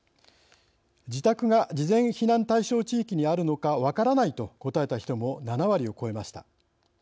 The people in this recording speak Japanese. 自宅が事前避難対象地域にあるのか「わからない」と答えた人も７割を超えました。